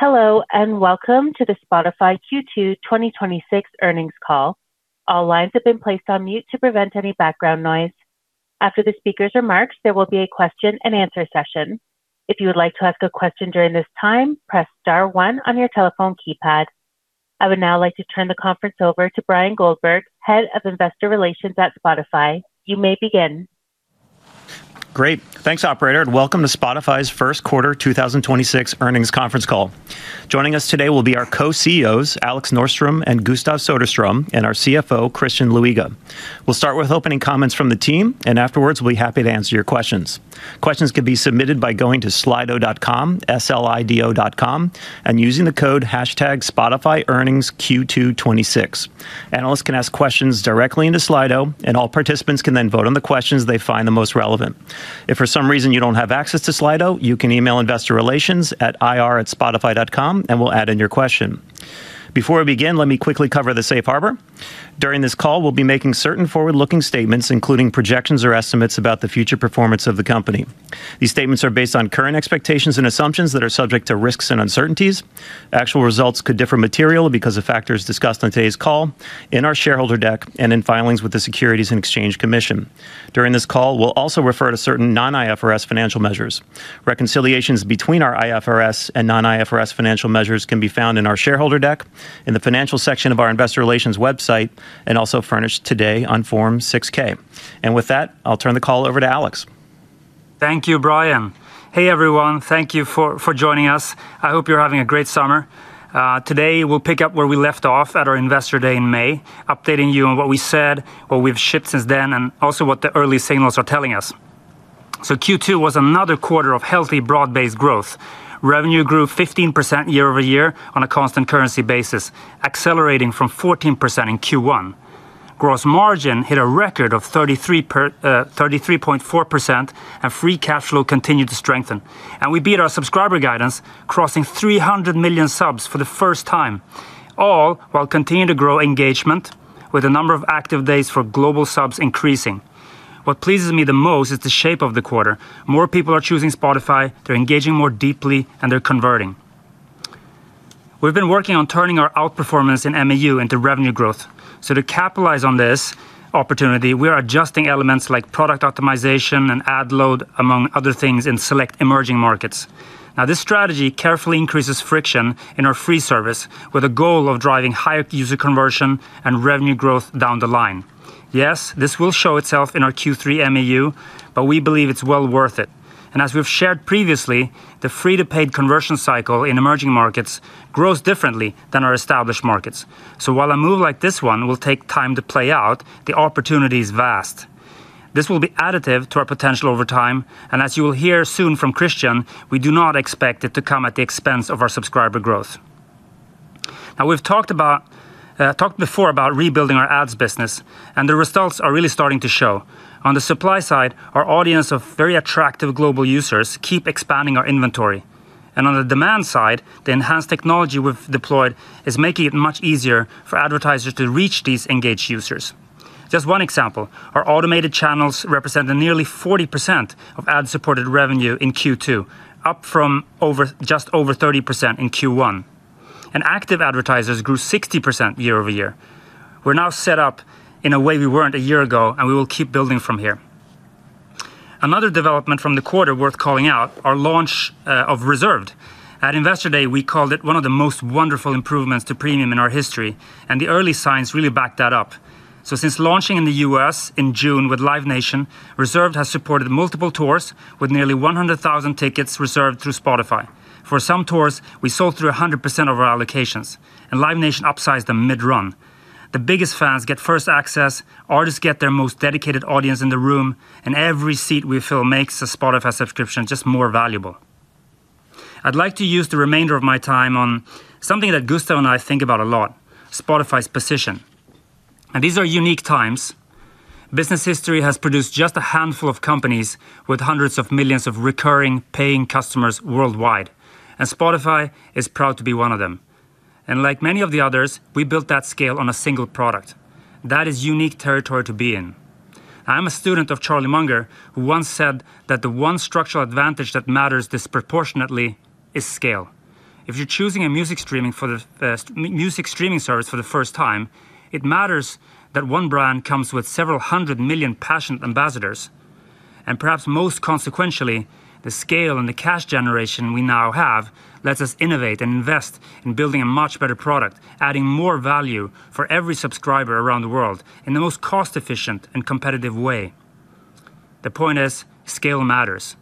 Hello, welcome to the Spotify Q2 2026 earnings call. All lines have been placed on mute to prevent any background noise. After the speaker's remarks, there will be a question and answer session. If you would like to ask a question during this time, press star one on your telephone keypad. I would now like to turn the conference over to Bryan Goldberg, Head of Investor Relations at Spotify. You may begin. Great. Thanks, Operator, welcome to Spotify's first quarter 2026 earnings conference call. Joining us today will be our Co-CEOs, Alex Norström and Gustav Söderström, and our CFO, Christian Luiga. We'll start with opening comments from the team. Afterwards, we'll be happy to answer your questions. Questions can be submitted by going to slido.com, S-L-I-D-O dot com, and using the code #SpotifyEarningsQ226. Analysts can ask questions directly into Slido. All participants can then vote on the questions they find the most relevant. If for some reason you don't have access to Slido, you can email Investor Relations at ir@spotify.com. We'll add in your question. Before we begin, let me quickly cover the safe harbor. During this call, we'll be making certain forward-looking statements, including projections or estimates about the future performance of the company. These statements are based on current expectations and assumptions that are subject to risks and uncertainties. Actual results could differ materially because of factors discussed on today's call, in our shareholder deck, and in filings with the Securities and Exchange Commission. During this call, we'll also refer to certain non-IFRS financial measures. Reconciliations between our IFRS and non-IFRS financial measures can be found in our shareholder deck, in the financial section of our investor relations website, and also furnished today on Form 6-K. With that, I'll turn the call over to Alex. Thank you, Bryan. Hey, everyone. Thank you for joining us. I hope you're having a great summer. Today, we'll pick up where we left off at our Investor Day in May, updating you on what we said, what we've shipped since then, and also what the early signals are telling us. Q2 was another quarter of healthy, broad-based growth. Revenue grew 15% year-over-year on a constant currency basis, accelerating from 14% in Q1. Gross margin hit a record of 33.4%. Free cash flow continued to strengthen. We beat our subscriber guidance, crossing 300 million subs for the first time, all while continuing to grow engagement with the number of active days for global subs increasing. What pleases me the most is the shape of the quarter. More people are choosing Spotify, they're engaging more deeply, and they're converting. We've been working on turning our outperformance in MAU into revenue growth. To capitalize on this opportunity, we are adjusting elements like product optimization and ad load, among other things, in select emerging markets. This strategy carefully increases friction in our free service with a goal of driving higher user conversion and revenue growth down the line. This will show itself in our Q3 MAU, but we believe it's well worth it. As we've shared previously, the free to paid conversion cycle in emerging markets grows differently than our established markets. While a move like this one will take time to play out, the opportunity is vast. This will be additive to our potential over time, and as you will hear soon from Christian, we do not expect it to come at the expense of our subscriber growth. We've talked before about rebuilding our ads business, and the results are really starting to show. On the supply side, our audience of very attractive global users keep expanding our inventory. On the demand side, the enhanced technology we've deployed is making it much easier for advertisers to reach these engaged users. Just one example, our automated channels represent nearly 40% of ad-supported revenue in Q2, up from just over 30% in Q1. Active advertisers grew 60% year-over-year. We're now set up in a way we weren't a year ago, and we will keep building from here. Another development from the quarter worth calling out, our launch of Reserved. At Investor Day, we called it one of the most wonderful improvements to Premium in our history, and the early signs really back that up. Since launching in the U.S. in June with Live Nation, Reserved has supported multiple tours with nearly 100,000 tickets reserved through Spotify. For some tours, we sold through 100% of our allocations, and Live Nation upsized them mid-run. The biggest fans get first access, artists get their most dedicated audience in the room, and every seat we fill makes a Spotify subscription just more valuable. I'd like to use the remainder of my time on something that Gustav and I think about a lot, Spotify's position. These are unique times. Business history has produced just a handful of companies with hundreds of millions of recurring paying customers worldwide. Spotify is proud to be one of them. Like many of the others, we built that scale on a single product. That is unique territory to be in. I'm a student of Charlie Munger, who once said that the one structural advantage that matters disproportionately is scale. If you're choosing a music streaming service for the first time, it matters that one brand comes with several hundred million passionate ambassadors. Perhaps most consequentially, the scale and the cash generation we now have lets us innovate and invest in building a much better product, adding more value for every subscriber around the world in the most cost-efficient and competitive way. The point is, scale matters.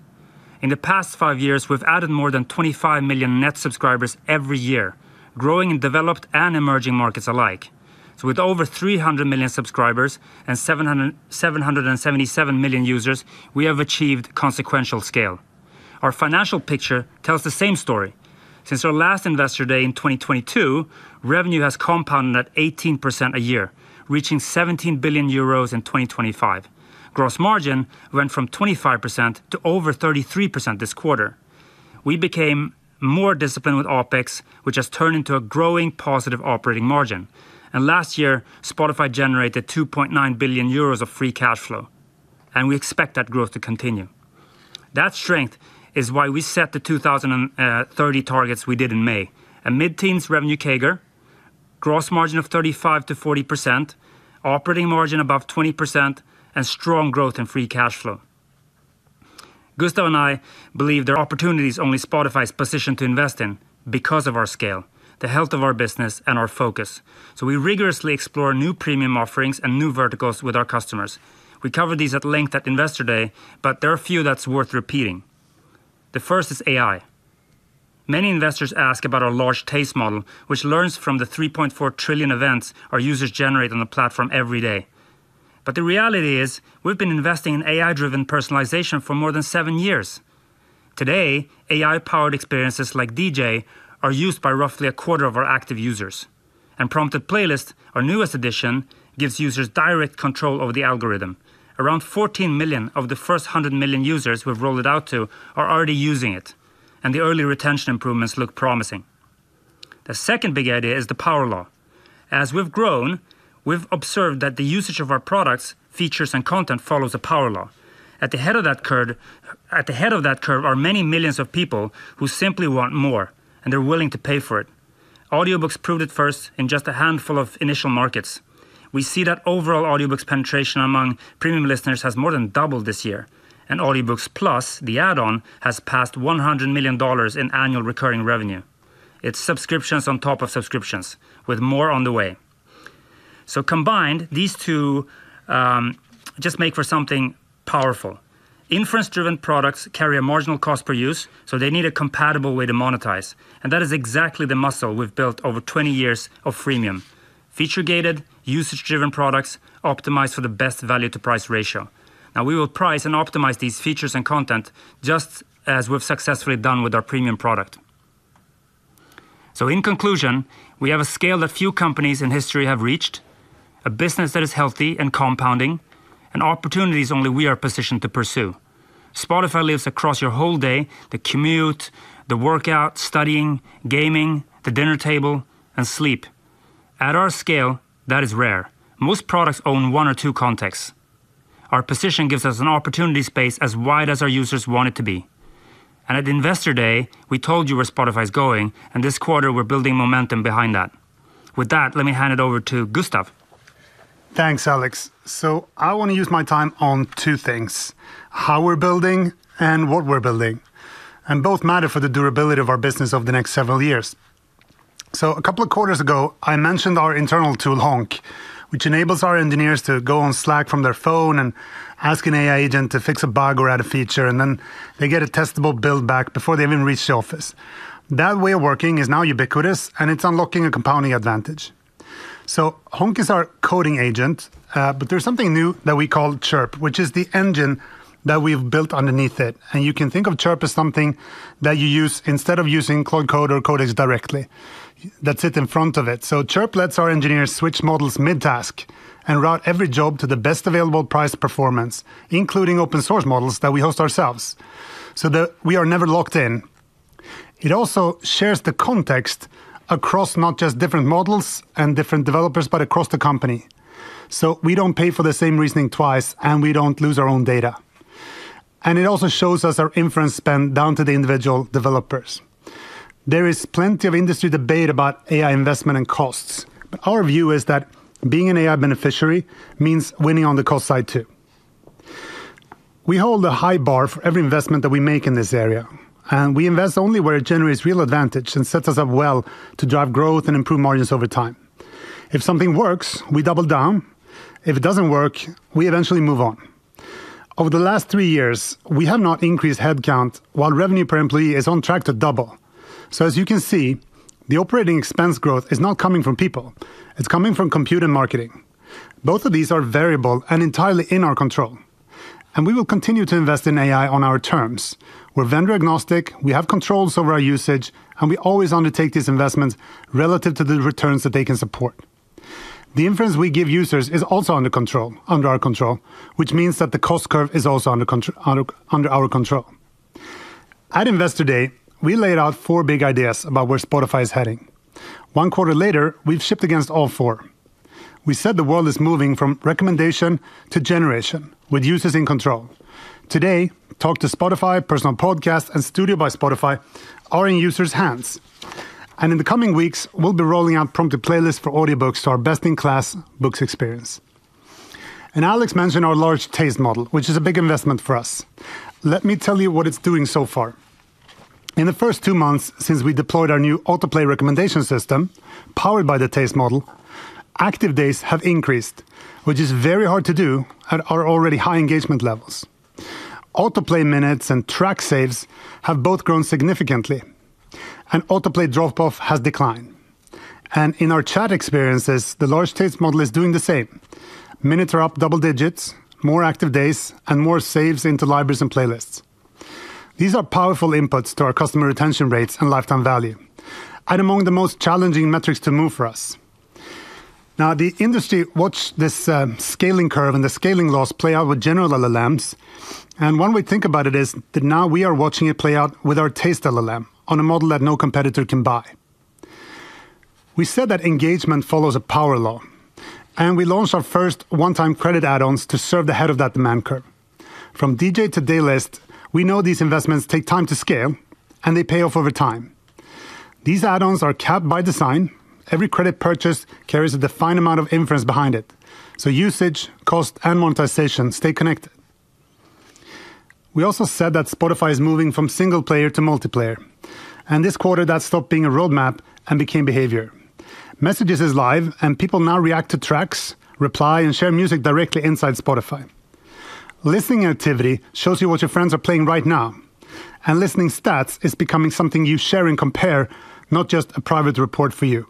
In the past five years, we've added more than 25 million net subscribers every year, growing in developed and emerging markets alike. With over 300 million subscribers and 777 million users, we have achieved consequential scale. Our financial picture tells the same story. Since our last Investor Day in 2022, revenue has compounded at 18% a year, reaching 17 billion euros in 2025. Gross margin went from 25% to over 33% this quarter. We became more disciplined with OpEx, which has turned into a growing positive operating margin. Last year, Spotify generated 2.9 billion euros of free cash flow. We expect that growth to continue. That strength is why we set the 2030 targets we did in May. A mid-teens revenue CAGR, gross margin of 35%-40%, operating margin above 20%, and strong growth in free cash flow. Gustav and I believe there are opportunities only Spotify is positioned to invest in because of our scale, the health of our business, and our focus. We rigorously explore new Premium offerings and new verticals with our customers. We covered these at length at Investor Day, but there are a few that's worth repeating. The first is AI. Many investors ask about our large taste model, which learns from the 3.4 trillion events our users generate on the platform every day. The reality is we've been investing in AI-driven personalization for more than seven years. Today, AI-powered experiences like DJ are used by roughly a quarter of our active users. Prompted Playlist, our newest addition, gives users direct control over the algorithm. Around 14 million of the first 100 million users we've rolled it out to are already using it, and the early retention improvements look promising. The second big idea is the power law. As we've grown, we've observed that the usage of our products, features, and content follows a power law. At the head of that curve are many millions of people who simply want more, and they're willing to pay for it. Audiobooks proved it first in just a handful of initial markets. We see that overall audiobooks penetration among Premium listeners has more than doubled this year, and Audiobooks+, the add-on, has passed $100 million in annual recurring revenue. It's subscriptions on top of subscriptions with more on the way. Combined, these two just make for something powerful. Inference-driven products carry a marginal cost per use, so they need a compatible way to monetize. That is exactly the muscle we've built over 20 years of freemium. Feature-gated, usage-driven products optimized for the best value-to-price ratio. Now we will price and optimize these features and content just as we've successfully done with our Premium product. In conclusion, we have a scale that few companies in history have reached, a business that is healthy and compounding, and opportunities only we are positioned to pursue. Spotify lives across your whole day, the commute, the workout, studying, gaming, the dinner table, and sleep. At our scale, that is rare. Most products own one or two contexts. Our position gives us an opportunity space as wide as our users want it to be. At Investor Day, we told you where Spotify is going, and this quarter, we're building momentum behind that. With that, let me hand it over to Gustav. Thanks, Alex. I want to use my time on two things, how we're building and what we're building. Both matter for the durability of our business over the next several years. A couple of quarters ago, I mentioned our internal tool, Honk, which enables our engineers to go on Slack from their phone and ask an AI agent to fix a bug or add a feature, and then they get a testable buildback before they even reach the office. That way of working is now ubiquitous, and it's unlocking a compounding advantage. Honk is our coding agent, but there's something new that we call Chirp, which is the engine that we've built underneath it. You can think of Chirp as something that you use instead of using Claude Code or Codex directly. That sit in front of it. Chirp lets our engineers switch models mid-task and route every job to the best available price-performance, including open source models that we host ourselves, so that we are never locked in. It also shares the context across not just different models and different developers, but across the company. We don't pay for the same reasoning twice, and we don't lose our own data. It also shows us our inference spend down to the individual developers. There is plenty of industry debate about AI investment and costs, but our view is that being an AI beneficiary means winning on the cost side too. We hold a high bar for every investment that we make in this area, and we invest only where it generates real advantage and sets us up well to drive growth and improve margins over time. If something works, we double down. If it doesn't work, we eventually move on. Over the last three years, we have not increased headcount while revenue per employee is on track to double. As you can see, the operating expense growth is not coming from people. It's coming from compute and marketing. Both of these are variable and entirely in our control. We will continue to invest in AI on our terms. We're vendor-agnostic, we have controls over our usage, and we always undertake these investments relative to the returns that they can support. The inference we give users is also under our control, which means that the cost curve is also under our control. At Investor Day, we laid out four big ideas about where Spotify is heading. One quarter later, we've shipped against all four. We said the world is moving from recommendation to generation with users in control. Today, Talk to Spotify, Personal Podcasts, and Studio by Spotify are in users' hands. In the coming weeks, we'll be rolling out Prompted Playlist for audiobooks to our best-in-class books experience. Alex mentioned our large taste model, which is a big investment for us. Let me tell you what it's doing so far. In the first two months since we deployed our new autoplay recommendation system powered by the taste model, active days have increased, which is very hard to do at our already high engagement levels. Autoplay minutes and track saves have both grown significantly, and autoplay drop-off has declined. In our chat experiences, the large taste model is doing the same. Minutes are up double digits, more active days, and more saves into libraries and playlists. These are powerful inputs to our customer retention rates and lifetime value and among the most challenging metrics to move for us. Now the industry watch this scaling curve and the scaling loss play out with general LLMs, and one way to think about it is that now we are watching it play out with our taste LLM on a model that no competitor can buy. We said that engagement follows a power law, and we launched our first one-time credit add-ons to serve the head of that demand curve. From DJ to daylist, we know these investments take time to scale, and they pay off over time. These add-ons are capped by design. Every credit purchase carries a defined amount of influence behind it. Usage, cost, and monetization stay connected. We also said that Spotify is moving from single-player to multiplayer. This quarter, that stopped being a roadmap and became behavior. Messages is live, and people now react to tracks, reply, and share music directly inside Spotify. Listening activity shows you what your friends are playing right now, and listening stats is becoming something you share and compare, not just a private report for you.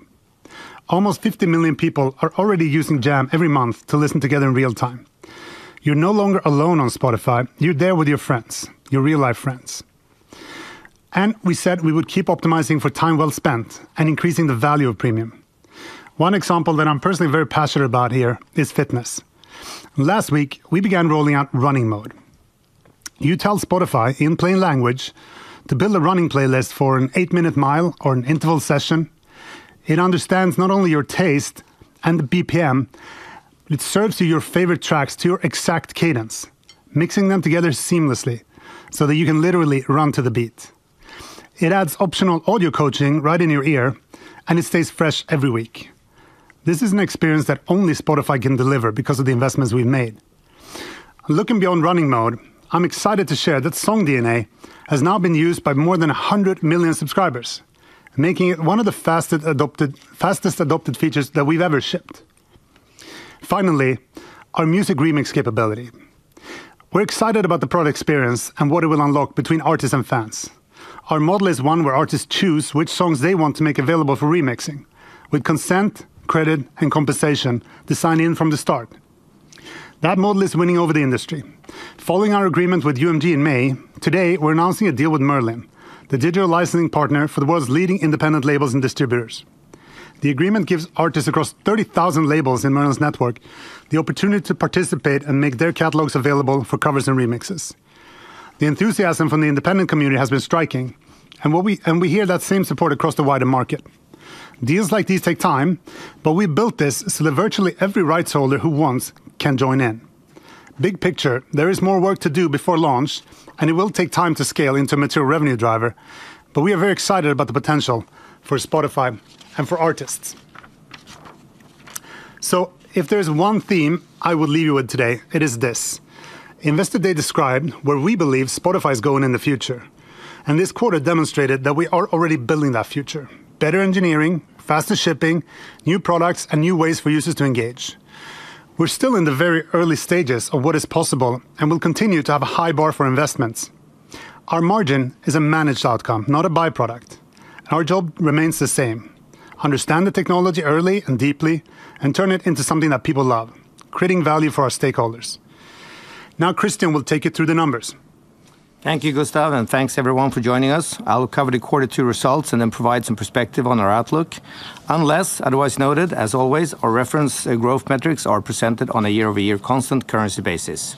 Almost 50 million people are already using Jam every month to listen together in real time. You're no longer alone on Spotify. You're there with your friends, your real-life friends. We said we would keep optimizing for time well spent and increasing the value of Premium. One example that I'm personally very passionate about here is fitness. Last week, we began rolling out Running Mode. You tell Spotify in plain language to build a running playlist for an eight-minute mile or an interval session. It understands not only your taste and the BPM, it serves you your favorite tracks to your exact cadence, mixing them together seamlessly so that you can literally run to the beat. It adds optional audio coaching right in your ear, and it stays fresh every week. This is an experience that only Spotify can deliver because of the investments we've made. Looking beyond Running Mode, I'm excited to share that SongDNA has now been used by more than 100 million subscribers, making it one of the fastest-adopted features that we've ever shipped. Finally, our music remix capability. We're excited about the product experience and what it will unlock between artists and fans. Our model is one where artists choose which songs they want to make available for remixing with consent, credit, and compensation designed in from the start. That model is winning over the industry. Following our agreement with UMG in May, today, we're announcing a deal with Merlin, the digital licensing partner for the world's leading independent labels and distributors. The agreement gives artists across 30,000 labels in Merlin's network the opportunity to participate and make their catalogs available for covers and remixes. The enthusiasm from the independent community has been striking, and we hear that same support across the wider market. Deals like these take time, but we built this so that virtually every rights holder who wants can join in. Big picture, there is more work to do before launch, and it will take time to scale into a material revenue driver. We are very excited about the potential for Spotify and for artists. If there's one theme I will leave you with today, it is this. Investor Day described where we believe Spotify is going in the future. This quarter demonstrated that we are already building that future. Better engineering, faster shipping, new products, and new ways for users to engage. We are still in the very early stages of what is possible and will continue to have a high bar for investments. Our margin is a managed outcome, not a by-product. Our job remains the same. Understand the technology early and deeply and turn it into something that people love, creating value for our stakeholders. Christian will take you through the numbers. Thank you, Gustav. Thanks everyone for joining us. I will cover the quarter two results. Then provide some perspective on our outlook. Unless otherwise noted, as always, our reference growth metrics are presented on a year-over-year constant currency basis.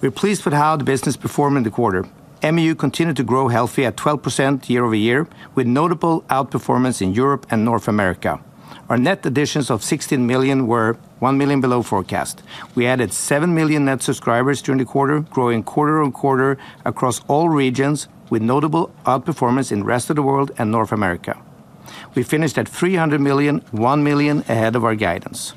We are pleased with how the business performed in the quarter. MAU continued to grow healthy at 12% year-over-year, with notable outperformance in Europe and North America. Our net additions of 16 million were 1 million below forecast. We added 7 million net subscribers during the quarter, growing quarter-on-quarter across all regions, with notable outperformance in rest of the world and North America. We finished at 300 million, 1 million ahead of our guidance.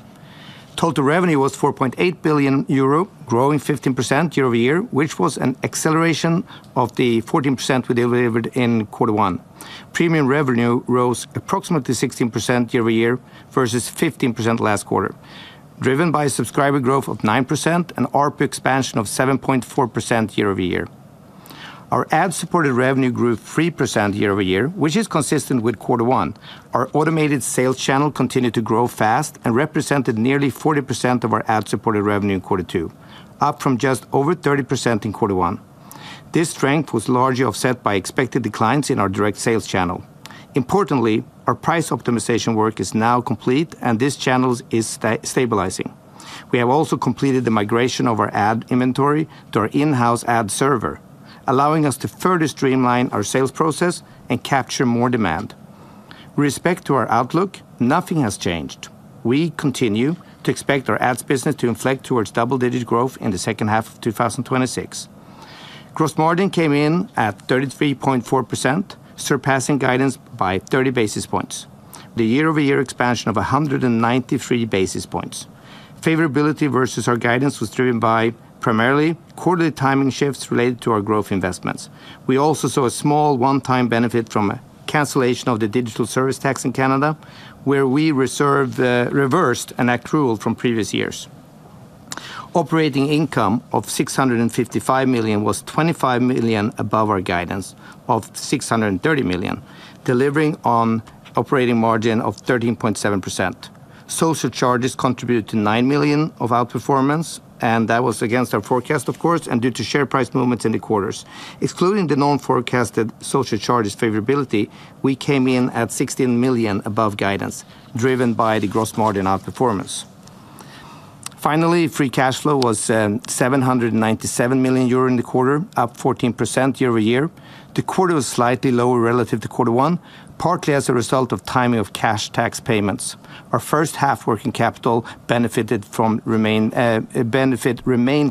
Total revenue was 4.8 billion euro, growing 15% year-over-year, which was an acceleration of the 14% we delivered in quarter one. Premium revenue rose approximately 16% year-over-year versus 15% last quarter, driven by subscriber growth of 9% and ARPU expansion of 7.4% year-over-year. Our ad-supported revenue grew 3% year-over-year, which is consistent with quarter one. Our automated sales channel continued to grow fast and represented nearly 40% of our ad-supported revenue in quarter two, up from just over 30% in quarter one. This strength was largely offset by expected declines in our direct sales channel. Importantly, our price optimization work is now complete. This channel is stabilizing. We have also completed the migration of our ad inventory to our in-house ad server, allowing us to further streamline our sales process and capture more demand. With respect to our outlook, nothing has changed. We continue to expect our ads business to inflect towards double-digit growth in the second half of 2026. Gross margin came in at 33.4%, surpassing guidance by 30 basis points. The year-over-year expansion of 193 basis points. Favorability versus our guidance was driven by primarily quarterly timing shifts related to our growth investments. We also saw a small one-time benefit from a cancellation of the digital service tax in Canada, where we reversed an accrual from previous years. Operating income of 655 million was 25 million above our guidance of 630 million, delivering on operating margin of 13.7%. Social charges contributed to 9 million of outperformance. That was against our forecast, of course, and due to share price movements in the quarters. Excluding the non-forecasted social charges favorability, we came in at 16 million above guidance, driven by the gross margin outperformance. Free cash flow was 797 million euro in the quarter, up 14% year-over-year. The quarter was slightly lower relative to quarter one, partly as a result of timing of cash tax payments. Our first half working capital benefit remained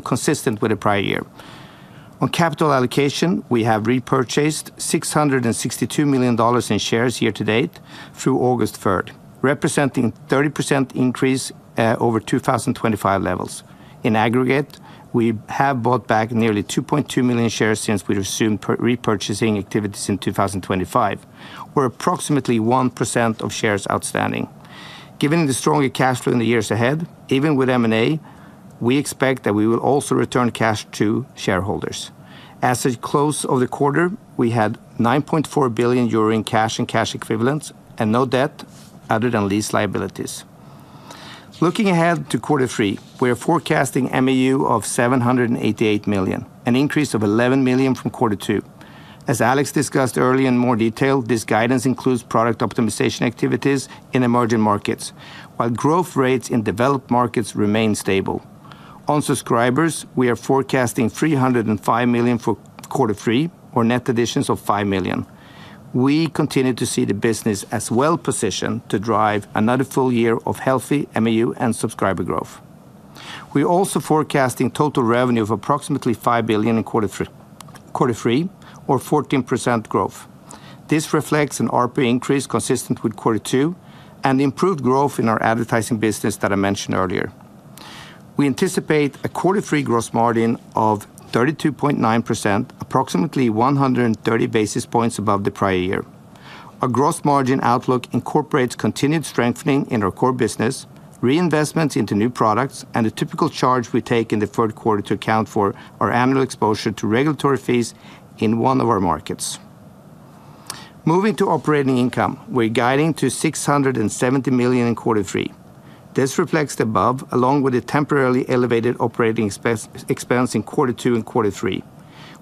consistent with the prior year. On capital allocation, we have repurchased $662 million in shares year to date through August 3rd, representing 30% increase over 2025 levels. In aggregate, we have bought back nearly 2.2 million shares since we resumed repurchasing activities in 2025, or approximately 1% of shares outstanding. Given the stronger cash flow in the years ahead, even with M&A, we expect that we will also return cash to shareholders. As at close of the quarter, we had 9.4 billion euro cash and cash equivalents and no debt other than lease liabilities. Looking ahead to quarter three, we are forecasting MAU of 788 million, an increase of 11 million from quarter two. As Alex discussed earlier in more detail, this guidance includes product optimization activities in emerging markets, while growth rates in developed markets remain stable. On subscribers, we are forecasting 305 million for quarter three or net additions of 5 million. We continue to see the business as well-positioned to drive another full year of healthy MAU and subscriber growth. We're also forecasting total revenue of approximately 5 billion in quarter three or 14% growth. This reflects an ARPU increase consistent with quarter two and improved growth in our advertising business that I mentioned earlier. We anticipate a quarter three gross margin of 32.9%, approximately 130 basis points above the prior year. Our gross margin outlook incorporates continued strengthening in our core business, reinvestments into new products, and a typical charge we take in the third quarter to account for our annual exposure to regulatory fees in one of our markets. Moving to operating income, we're guiding to 670 million in quarter three. This reflects the above, along with a temporarily elevated operating expense in quarter two and quarter three.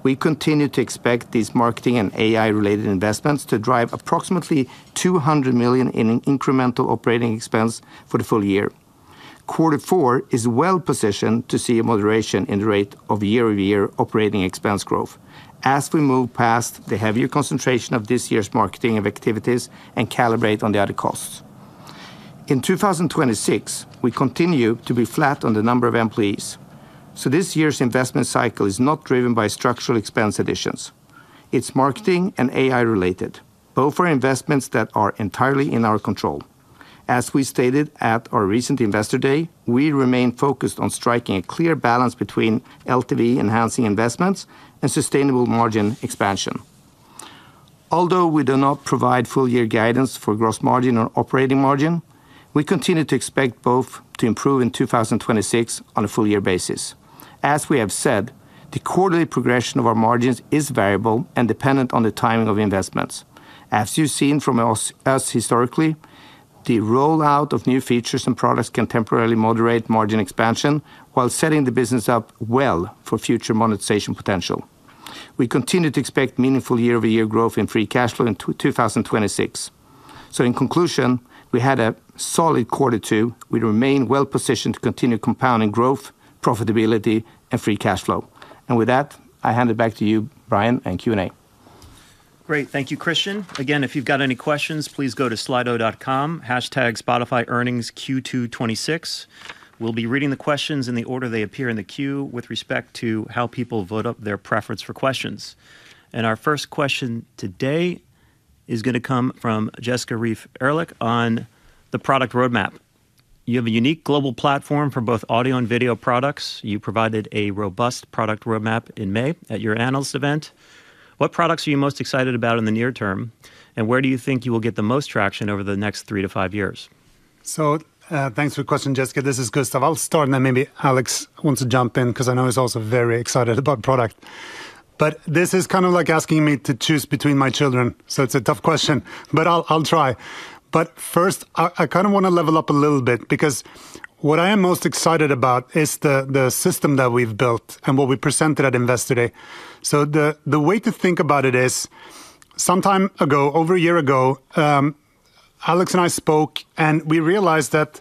We continue to expect these marketing and AI-related investments to drive approximately 200 million in incremental operating expense for the full year. Quarter four is well positioned to see a moderation in the rate of year-over-year operating expense growth as we move past the heavier concentration of this year's marketing of activities and calibrate on the other costs. In 2026, we continue to be flat on the number of employees. This year's investment cycle is not driven by structural expense additions. It's marketing and AI related, both are investments that are entirely in our control. As we stated at our recent Investor Day, we remain focused on striking a clear balance between LTV-enhancing investments and sustainable margin expansion. Although we do not provide full year guidance for gross margin or operating margin, we continue to expect both to improve in 2026 on a full year basis. As we have said, the quarterly progression of our margins is variable and dependent on the timing of investments. As you've seen from us historically, the rollout of new features and products can temporarily moderate margin expansion while setting the business up well for future monetization potential. We continue to expect meaningful year-over-year growth in free cash flow in 2026. In conclusion, we had a solid quarter two. We remain well-positioned to continue compounding growth, profitability and free cash flow. With that, I hand it back to you, Bryan, in Q&A. Thank you, Christian. Again, if you've got any questions, please go to slido.com, #SpotifyEarningsQ226. We'll be reading the questions in the order they appear in the queue with respect to how people vote up their preference for questions. Our first question today is going to come from Jessica Reif Ehrlich on the product roadmap. You have a unique global platform for both audio and video products. You provided a robust product roadmap in May at your analyst event. What products are you most excited about in the near term, and where do you think you will get the most traction over the next three to five years? Thanks for the question, Jessica. This is Gustav. I'll start, and then maybe Alex wants to jump in because I know he's also very excited about product. This is kind of like asking me to choose between my children, so it's a tough question, but I'll try. First, I kind of want to level up a little bit because what I am most excited about is the system that we've built and what we presented at Investor Day. The way to think about it is, sometime ago, over a year ago, Alex and I spoke, and we realized that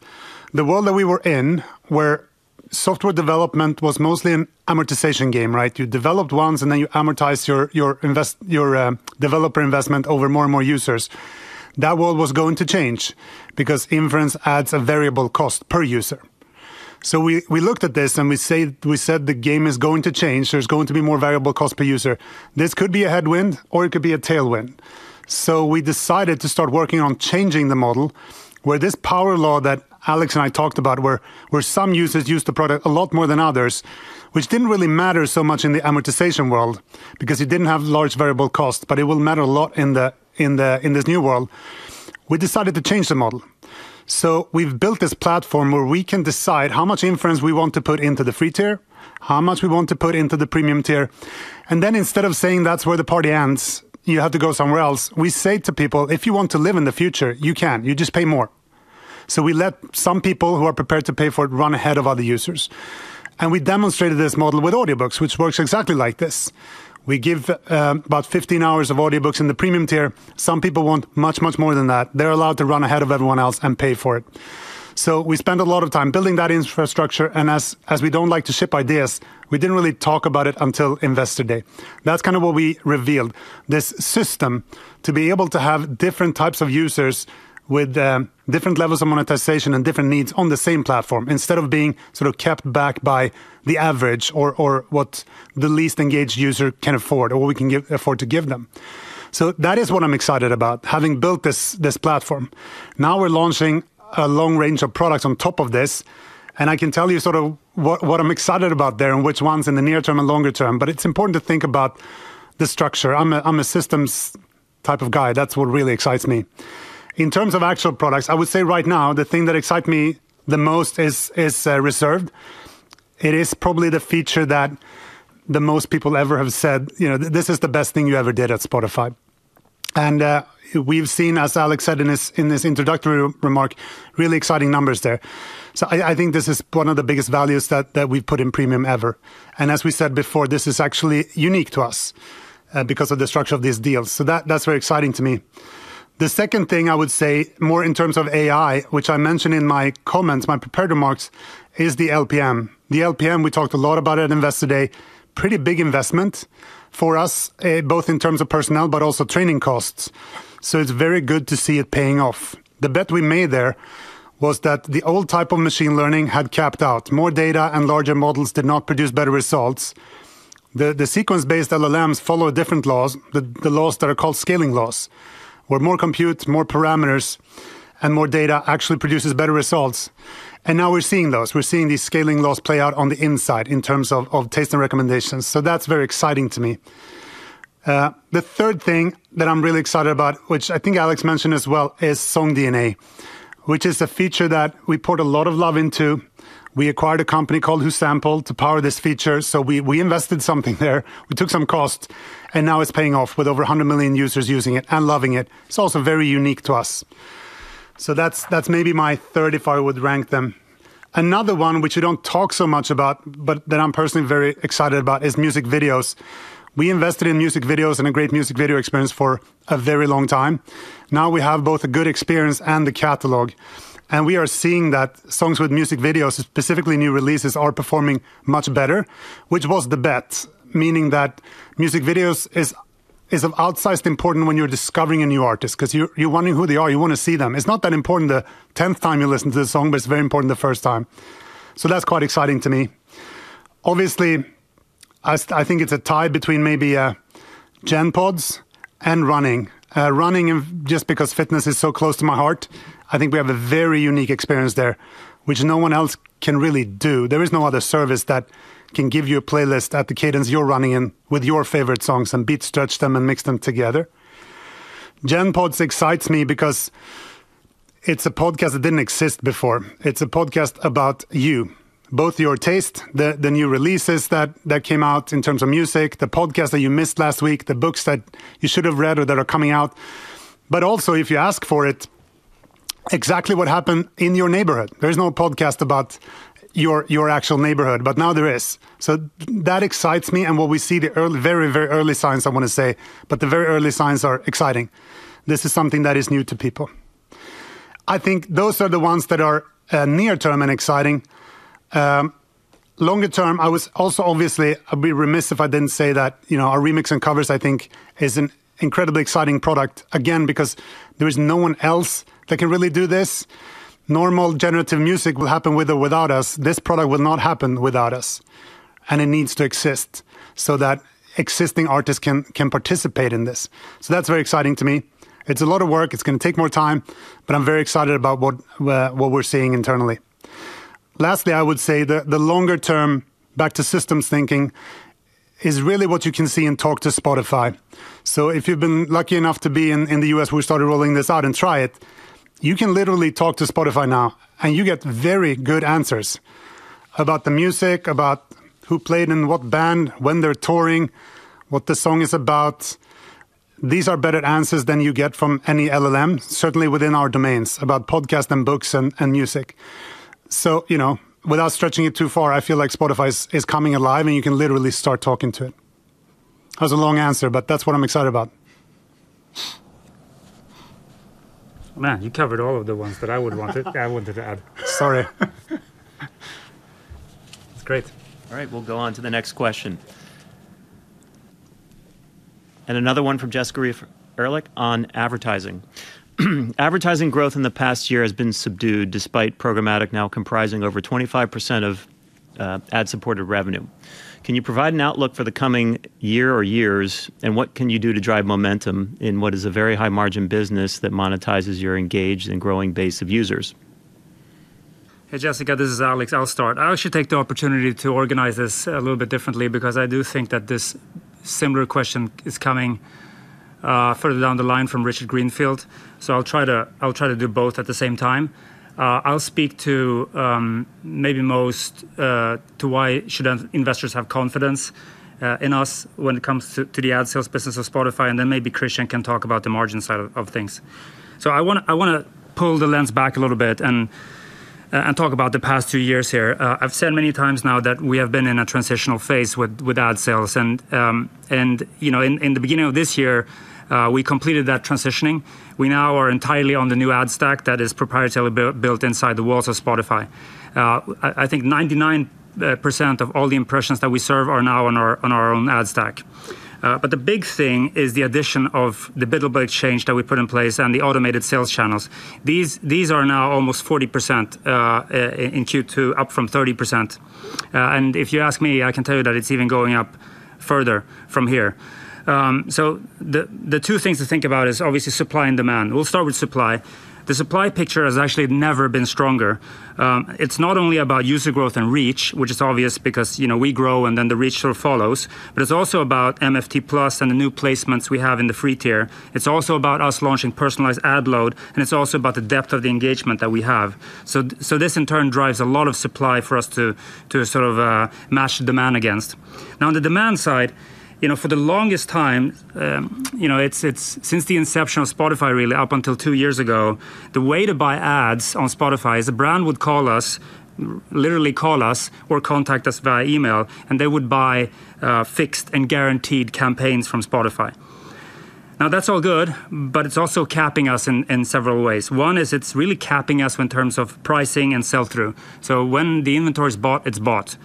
the world that we were in, where software development was mostly an amortization game, right? You developed once, and then you amortize your developer investment over more and more users. That world was going to change because inference adds a variable cost per user. We looked at this, and we said the game is going to change. There's going to be more variable cost per user. This could be a headwind, or it could be a tailwind. We decided to start working on changing the model where this power law that Alex and I talked about, where some users use the product a lot more than others, which didn't really matter so much in the amortization world because you didn't have large variable cost, but it will matter a lot in this new world. We decided to change the model. We've built this platform where we can decide how much inference we want to put into the Free tier, how much we want to put into the Premium tier, instead of saying, "That's where the party ends, you have to go somewhere else," we say to people, "If you want to live in the future, you can. You just pay more." We let some people who are prepared to pay for it run ahead of other users. We demonstrated this model with audiobooks, which works exactly like this. We give about 15 hours of audiobooks in the Premium tier. Some people want much, much more than that. They're allowed to run ahead of everyone else and pay for it. We spend a lot of time building that infrastructure, and as we don't like to ship ideas, we didn't really talk about it until Investor Day. That's kind of what we revealed. This system to be able to have different types of users with different levels of monetization and different needs on the same platform, instead of being sort of kept back by the average or what the least engaged user can afford or what we can afford to give them. That is what I'm excited about, having built this platform. We're launching a long range of products on top of this, and I can tell you sort of what I'm excited about there and which ones in the near term and longer term, but it's important to think about the structure. I'm a systems type of guy. That's what really excites me. In terms of actual products, I would say right now the thing that excites me the most is Reserved. It is probably the feature that the most people ever have said, "This is the best thing you ever did at Spotify." We've seen, as Alex said in his introductory remark, really exciting numbers there. I think this is one of the biggest values that we've put in Premium ever. As we said before, this is actually unique to us because of the structure of these deals. That's very exciting to me. The second thing I would say, more in terms of AI, which I mentioned in my comments, my prepared remarks, is the LTM. The LTM, we talked a lot about it at Investor Day. Pretty big investment for us, both in terms of personnel, but also training costs. It's very good to see it paying off. The bet we made there was that the old type of machine learning had capped out. More data and larger models did not produce better results. The sequence-based LLMs follow different laws, the laws that are called scaling laws, where more compute, more parameters, and more data actually produces better results. Now we're seeing those. We're seeing these scaling laws play out on the inside in terms of taste and recommendations. That's very exciting to me. The third thing that I'm really excited about, which I think Alex mentioned as well, is SongDNA, which is a feature that we poured a lot of love into. We acquired a company called WhoSampled to power this feature, so we invested something there. We took some cost, and now it's paying off with over 100 million users using it and loving it. It's also very unique to us. That's maybe my third, if I would rank them. Another one, which we don't talk so much about, but that I'm personally very excited about, is music videos. We invested in music videos and a great music video experience for a very long time. Now we have both a good experience and a catalog. We are seeing that songs with music videos, specifically new releases, are performing much better, which was the bet, meaning that music videos is of outsized important when you're discovering a new artist because you're wondering who they are. You want to see them. It's not that important the 10th time you listen to the song, but it's very important the first time. That's quite exciting to me. Obviously, I think it's a tie between maybe GENPODs and Running. Running, just because fitness is so close to my heart. I think we have a very unique experience there, which no one else can really do. There is no other service that can give you a playlist at the cadence you're running in with your favorite songs and beat stretch them and mix them together. GENPODs excites me because it's a podcast that didn't exist before. It's a podcast about you, both your taste, the new releases that came out in terms of music, the podcast that you missed last week, the books that you should have read or that are coming out. Also, if you ask for it, exactly what happened in your neighborhood. There is no podcast about your actual neighborhood, but now there is. That excites me. What we see, the very early signs, I want to say, but the very early signs are exciting. This is something that is new to people. I think those are the ones that are near term and exciting. Longer term, I was also, obviously, I'd be remiss if I didn't say that our Remix and Covers, I think, is an incredibly exciting product, again, because there is no one else that can really do this. Normal generative music will happen with or without us. This product will not happen without us, and it needs to exist so that existing artists can participate in this. That's very exciting to me. It's a lot of work. It's going to take more time, but I'm very excited about what we're seeing internally. Lastly, I would say the longer term, back to systems thinking, is really what you can see in Talk to Spotify. If you've been lucky enough to be in the U.S., we started rolling this out and try it. You can literally talk to Spotify now, and you get very good answers about the music, about who played in what band, when they're touring, what the song is about. These are better answers than you get from any LLM, certainly within our domains, about podcasts and books and music. Without stretching it too far, I feel like Spotify is coming alive and you can literally start talking to it. That was a long answer, but that's what I'm excited about. Man, you covered all of the ones that I would want to add. Sorry. That's great. All right. We'll go on to the next question. Another one from Jessica Reif Ehrlich on advertising. "Advertising growth in the past year has been subdued despite programmatic now comprising over 25% of ad-supported revenue. Can you provide an outlook for the coming year or years, and what can you do to drive momentum in what is a very high-margin business that monetizes your engaged and growing base of users?" Hey, Jessica. This is Alex. I'll start. I should take the opportunity to organize this a little bit differently because I do think that this similar question is coming further down the line from Richard Greenfield. I'll try to do both at the same time. I'll speak to maybe most to why should investors have confidence in us when it comes to the ad sales business of Spotify, and then maybe Christian can talk about the margin side of things. I want to pull the lens back a little bit and talk about the past two years here. I've said many times now that we have been in a transitional phase with ad sales. In the beginning of this year, we completed that transitioning. We now are entirely on the new ad stack that is proprietary built inside the walls of Spotify. I think 99% of all the impressions that we serve are now on our own ad stack. The big thing is the addition of the biddable exchange that we put in place and the automated sales channels. These are now almost 40% in Q2, up from 30%. If you ask me, I can tell you that it's even going up further from here. The two things to think about is obviously supply and demand. We'll start with supply. The supply picture has actually never been stronger. It's not only about user growth and reach, which is obvious because we grow and then the reach sort of follows, but it's also about MFT+ and the new placements we have in the Free tier. It's also about us launching personalized ad load, and it's also about the depth of the engagement that we have. This in turn drives a lot of supply for us to sort of match the demand against. On the demand side, for the longest time, since the inception of Spotify really up until two years ago, the way to buy ads on Spotify is a brand would call us, literally call us or contact us via email, and they would buy fixed and guaranteed campaigns from Spotify. That's all good, but it's also capping us in several ways. One is it's really capping us in terms of pricing and sell-through. When the inventory is bought, it's bought.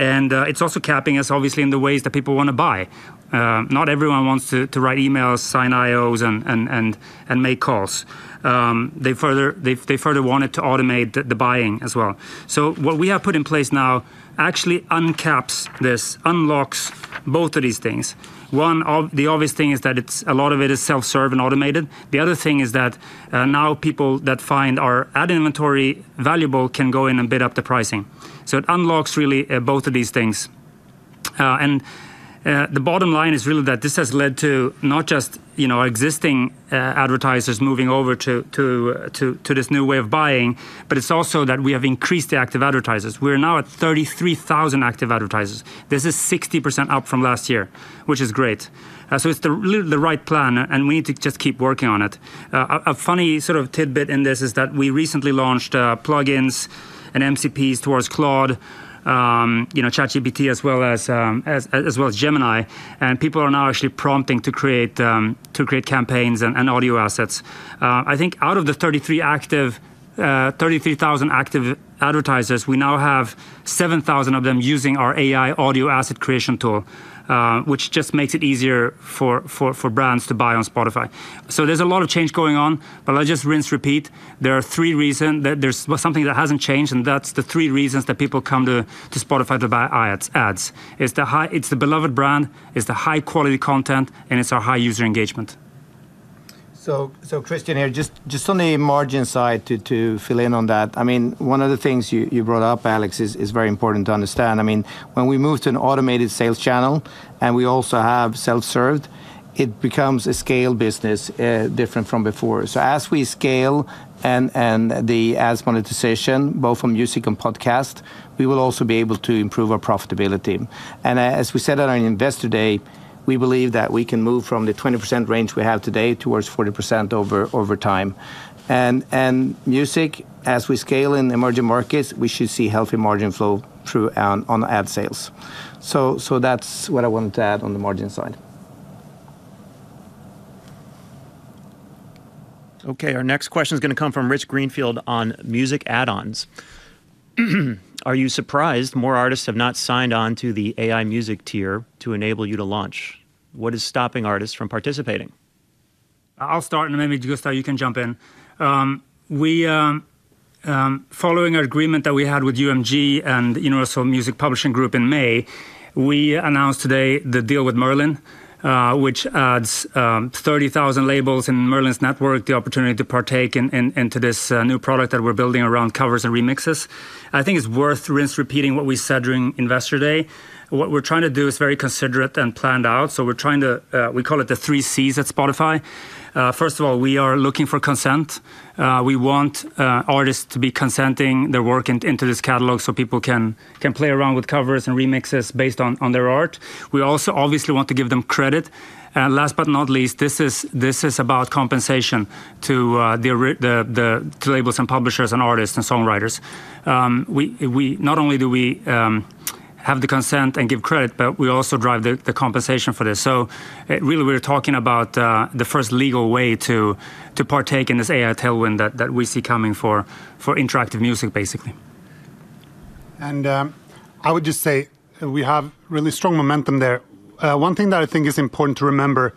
It's also capping us obviously in the ways that people want to buy. Not everyone wants to write emails, sign IOs and make calls. They further wanted to automate the buying as well. What we have put in place now actually uncaps this, unlocks both of these things. One, the obvious thing is that a lot of it is self-serve and automated. The other thing is that now people that find our ad inventory valuable can go in and bid up the pricing. It unlocks really both of these things. The bottom line is really that this has led to not just our existing advertisers moving over to this new way of buying, but it's also that we have increased the active advertisers. We're now at 33,000 active advertisers. This is 60% up from last year, which is great. It's the right plan and we need to just keep working on it. A funny sort of tidbit in this is that we recently launched plug-ins and MCPs towards Claude, ChatGPT as well as Gemini. People are now actually prompting to create campaigns and audio assets. I think out of the 33,000 active advertisers, we now have 7,000 of them using our AI audio asset creation tool, which just makes it easier for brands to buy on Spotify. There's a lot of change going on, but I'll just rinse-repeat. There's something that hasn't changed, and that's the three reasons that people come to Spotify to buy ads. It's the beloved brand, it's the high-quality content, and it's our high user engagement. Christian here, just on the margin side to fill in on that. One of the things you brought up, Alex, is very important to understand. When we move to an automated sales channel and we also have self-serve, it becomes a scale business different from before. As we scale and the ads monetization, both from music and podcast, we will also be able to improve our profitability. As we said at our Investor Day, we believe that we can move from the 20% range we have today towards 40% over time. Music, as we scale in emerging markets, we should see healthy margin flow through on ad sales. That's what I wanted to add on the margin side. Okay, our next question is going to come from Rich Greenfield on music add-ons. "Are you surprised more artists have not signed on to the AI music tier to enable you to launch? What is stopping artists from participating?" I'll start and then maybe Gustav, you can jump in. Following our agreement that we had with UMG and Universal Music Publishing Group in May, we announced today the deal with Merlin, which adds 30,000 labels in Merlin's network, the opportunity to partake into this new product that we're building around covers and remixes. I think it's worth rinse-repeating what we said during Investor Day. What we're trying to do is very considerate and planned out. We call it the 3Cs at Spotify. First of all, we are looking for consent. We want artists to be consenting their work into this catalog so people can play around with covers and remixes based on their art. We also obviously want to give them credit. Last but not least, this is about compensation to labels and publishers and artists and songwriters. Not only do we have the consent and give credit, but we also drive the compensation for this. Really, we're talking about the first legal way to partake in this AI tailwind that we see coming for interactive music, basically. I would just say we have really strong momentum there. One thing that I think is important to remember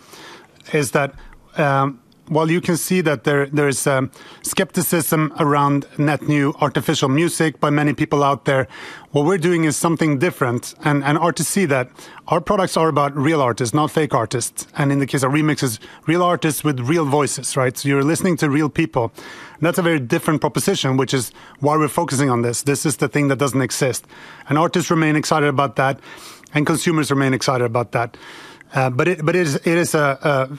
is that while you can see that there is skepticism around net new artificial music by many people out there, what we're doing is something different and artists see that. Our products are about real artists, not fake artists, and in the case of remixes, real artists with real voices, right? You're listening to real people. That's a very different proposition, which is why we're focusing on this. This is the thing that doesn't exist. Artists remain excited about that, and consumers remain excited about that. It is an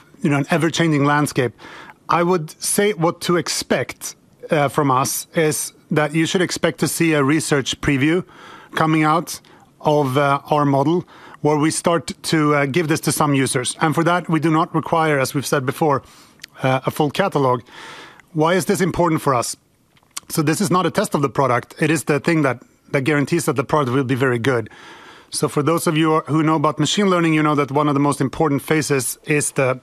ever-changing landscape. I would say what to expect from us is that you should expect to see a research preview coming out of our model where we start to give this to some users. For that, we do not require, as we've said before, a full catalog. Why is this important for us? This is not a test of the product. It is the thing that guarantees that the product will be very good. For those of you who know about machine learning, you know that one of the most important phases is the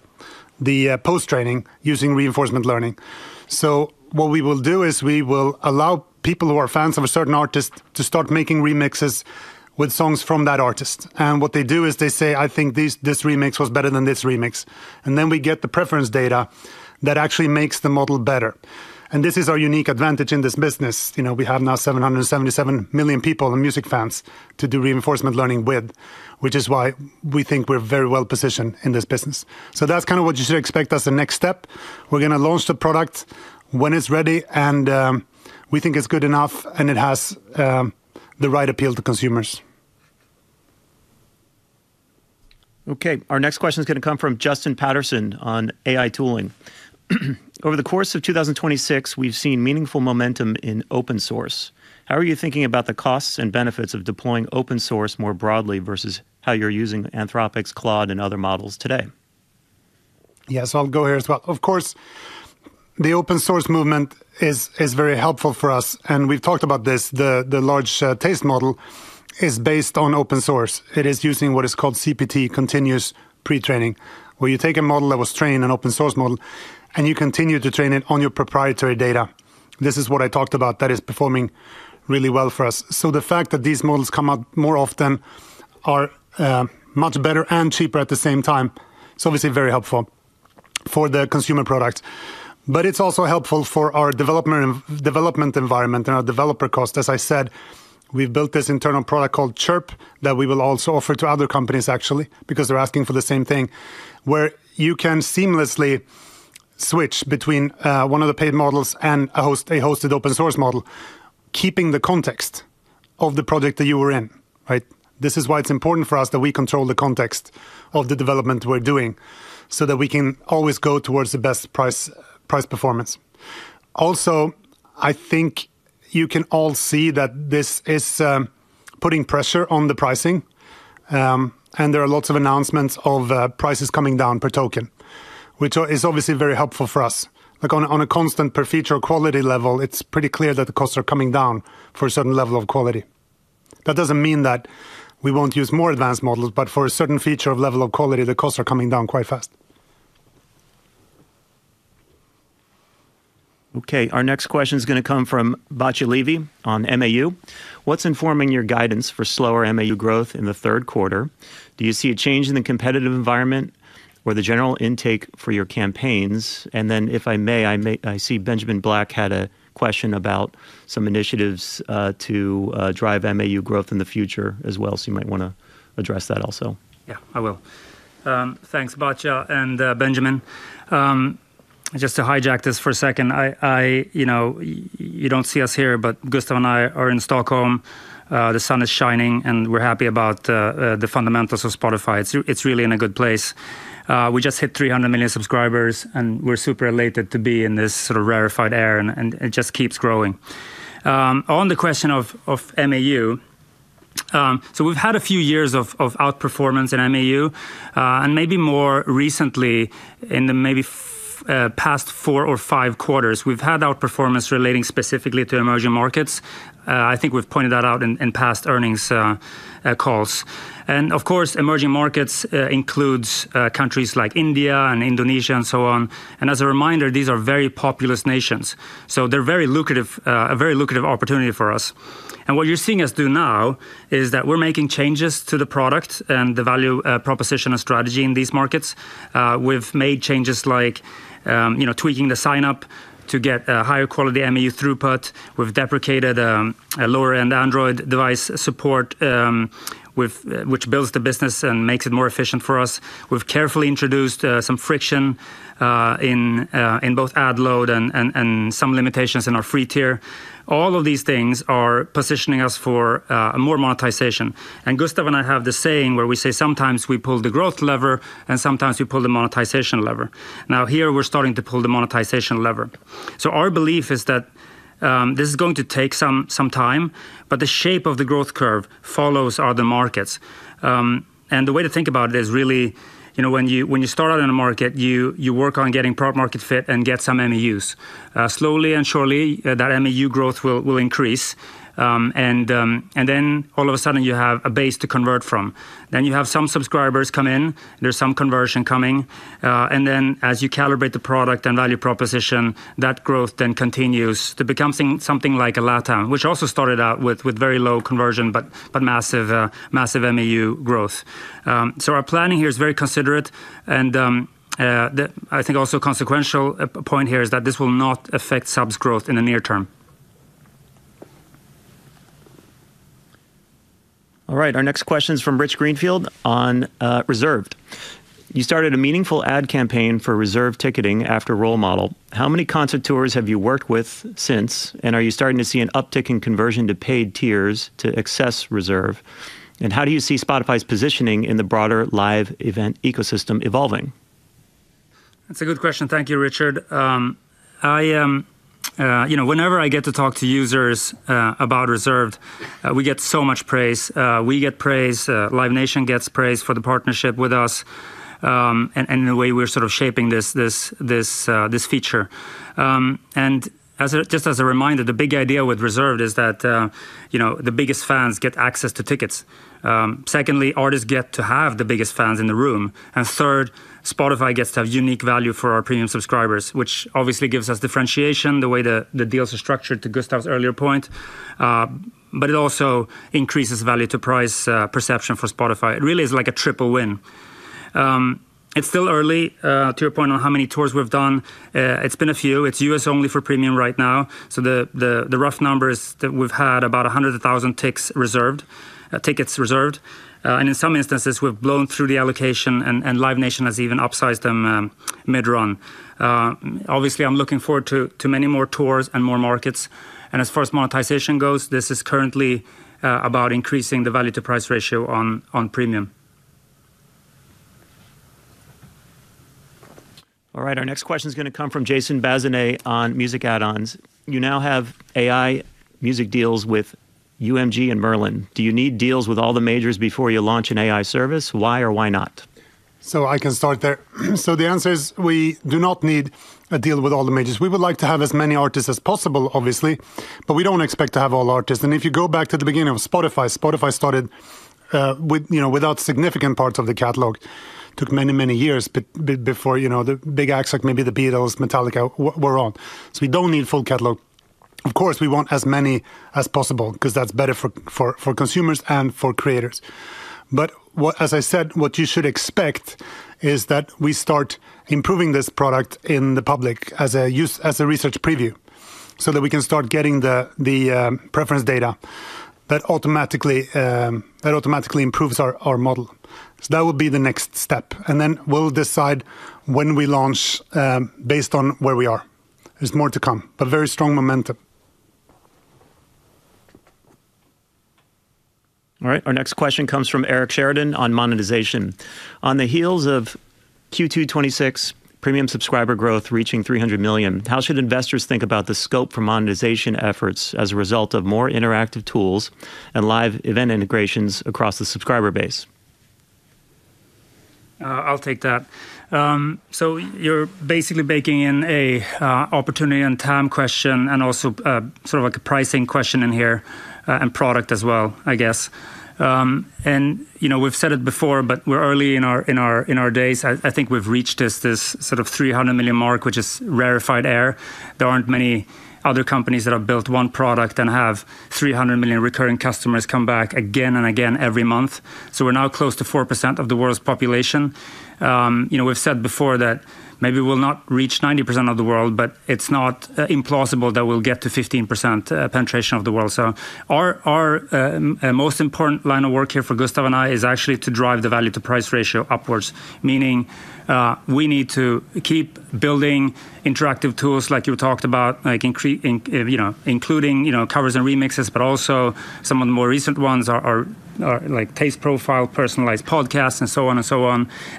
post-training using reinforcement learning. What we will do is we will allow people who are fans of a certain artist to start making remixes with songs from that artist. What they do is they say, "I think this remix was better than this remix." Then we get the preference data that actually makes the model better. This is our unique advantage in this business. We have now 777 million people and music fans to do reinforcement learning with, which is why we think we're very well-positioned in this business. That's what you should expect as the next step. We're going to launch the product when it's ready, and we think it's good enough, and it has the right appeal to consumers. Okay, our next question is going to come from Justin Patterson on AI tooling. Over the course of 2026, we've seen meaningful momentum in open source. How are you thinking about the costs and benefits of deploying open source more broadly versus how you're using Anthropic's Claude and other models today? Yeah. I'll go here as well. Of course, the open-source movement is very helpful for us, and we've talked about this. The large taste model is based on open source. It is using what is called CPT, continuous pre-training, where you take a model that was trained, an open-source model, and you continue to train it on your proprietary data. This is what I talked about that is performing really well for us. The fact that these models come out more often are much better and cheaper at the same time, it's obviously very helpful for the consumer product. It's also helpful for our development environment and our developer cost. As I said, we've built this internal product called Chirp that we will also offer to other companies actually, because they're asking for the same thing, where you can seamlessly switch between one of the paid models and a hosted open-source model, keeping the context of the project that you were in, right? This is why it's important for us that we control the context of the development we're doing so that we can always go towards the best price performance. Also, I think you can all see that this is putting pressure on the pricing, and there are lots of announcements of prices coming down per token, which is obviously very helpful for us. On a constant per-feature quality level, it's pretty clear that the costs are coming down for a certain level of quality. That doesn't mean that we won't use more advanced models, but for a certain feature of level of quality, the costs are coming down quite fast. Okay, our next question is going to come from Batya Levi on MAU. What's informing your guidance for slower MAU growth in the third quarter? Do you see a change in the competitive environment or the general intake for your campaigns? If I may, I see Benjamin Black had a question about some initiatives to drive MAU growth in the future as well. You might want to address that also. Yeah, I will. Thanks, Batya and Benjamin. Just to hijack this for a second. You don't see us here, but Gustav and I are in Stockholm. The sun is shining, and we're happy about the fundamentals of Spotify. It's really in a good place. We just hit 300 million subscribers, and we're super elated to be in this sort of rarefied air, and it just keeps growing. On the question of MAU. We've had a few years of outperformance in MAU, and maybe more recently in the maybe past four or five quarters, we've had outperformance relating specifically to emerging markets. I think we've pointed that out in past earnings calls. Emerging markets includes countries like India and Indonesia and so on. As a reminder, these are very populous nations. They're a very lucrative opportunity for us. What you're seeing us do now is that we're making changes to the product and the value proposition and strategy in these markets. We've made changes like tweaking the sign-up to get a higher quality MAU throughput. We've deprecated a lower-end Android device support which builds the business and makes it more efficient for us. We've carefully introduced some friction in both ad load and some limitations in our Free tier. All of these things are positioning us for more monetization. Gustav and I have this saying where we say sometimes we pull the growth lever, and sometimes we pull the monetization lever. Here we're starting to pull the monetization lever. Our belief is that this is going to take some time, but the shape of the growth curve follows other markets. The way to think about it is really when you start out in a market, you work on getting product-market fit and get some MAUs. Slowly and surely, that MAU growth will increase. All of a sudden, you have a base to convert from. You have some subscribers come in, there's some conversion coming. As you calibrate the product and value proposition, that growth then continues to become something like a Latam, which also started out with very low conversion but massive MAU growth. Our planning here is very considerate, and I think also consequential point here is that this will not affect subs growth in the near term. All right. Our next question is from Rich Greenfield on Reserved. You started a meaningful ad campaign for Reserved ticketing after Role Model. How many concert tours have you worked with since? Are you starting to see an uptick in conversion to paid tiers to access Reserved? How do you see Spotify's positioning in the broader live event ecosystem evolving? That's a good question. Thank you, Richard. Whenever I get to talk to users about Reserved, we get so much praise. We get praise, Live Nation gets praise for the partnership with us, and the way we're sort of shaping this feature. Just as a reminder, the big idea with Reserved is that the biggest fans get access to tickets. Secondly, artists get to have the biggest fans in the room. Third, Spotify gets to have unique value for our Premium subscribers, which obviously gives us differentiation, the way the deals are structured to Gustav's earlier point. It also increases value to price perception for Spotify. It really is like a triple win. It's still early, to your point on how many tours we've done. It's been a few. It's U.S. only for Premium right now. The rough numbers that we've had about 100,000 tickets reserved. In some instances, we've blown through the allocation and Live Nation has even upsized them mid-run. Obviously, I'm looking forward to many more tours and more markets. As far as monetization goes, this is currently about increasing the value to price ratio on Premium. All right. Our next question is going to come from Jason Bazinet on music add-ons. You now have AI music deals with UMG and Merlin. Do you need deals with all the majors before you launch an AI service? Why or why not? I can start there. The answer is we do not need a deal with all the majors. We would like to have as many artists as possible, obviously, but we don't expect to have all artists. If you go back to the beginning of Spotify started without significant parts of the catalog. Took many, many years before the big acts like maybe The Beatles, Metallica were on. We don't need full catalog. Of course, we want as many as possible because that's better for consumers and for creators. As I said, what you should expect is that we start improving this product in the public as a research preview so that we can start getting the preference data that automatically improves our model. That will be the next step, and then we'll decide when we launch based on where we are. There's more to come, but very strong momentum. All right. Our next question comes from Eric Sheridan on monetization. On the heels of Q2 2026 Premium subscriber growth reaching 300 million, how should investors think about the scope for monetization efforts as a result of more interactive tools and live event integrations across the subscriber base? I'll take that. You're basically baking in a opportunity and time question and also sort of like a pricing question in here and product as well, I guess. We've said it before, but we're early in our days. I think we've reached this sort of 300 million mark, which is rarefied air. There aren't many other companies that have built one product and have 300 million recurring customers come back again and again every month. We're now close to 4% of the world's population. We've said before that maybe we'll not reach 90% of the world, but it's not implausible that we'll get to 15% penetration of the world. Our most important line of work here for Gustav and I is actually to drive the value to price ratio upwards, meaning we need to keep building interactive tools like you talked about, including covers and remixes, but also some of the more recent ones are taste profile, Personal Podcasts, and so on.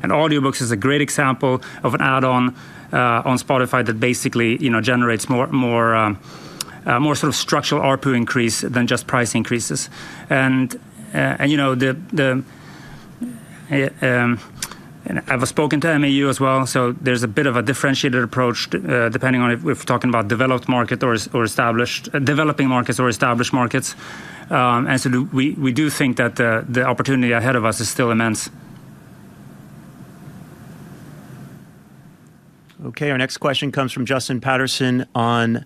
Audiobooks is a great example of an add-on on Spotify that basically generates more sort of structural ARPU increase than just price increases. I've spoken to MAU as well, there's a bit of a differentiated approach, depending on if we're talking about developing markets or established markets. We do think that the opportunity ahead of us is still immense. Okay, our next question comes from Justin Patterson on